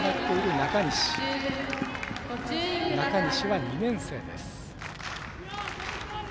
中西は２年生です。